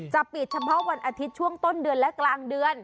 จะปิดเฉพาะวันอาทิตย์ช่วงต้นเดือนและกลางเดือน